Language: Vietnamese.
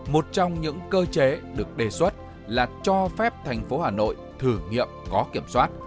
một trong những cơ chế được đề xuất là cho phép thành phố hà nội thử nghiệm có kiểm soát